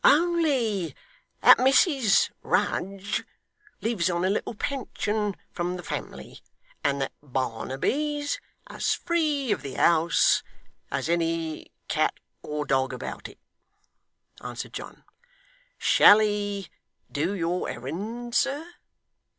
'Only that Mrs Rudge lives on a little pension from the family, and that Barnaby's as free of the house as any cat or dog about it,' answered John. 'Shall he do your errand, sir?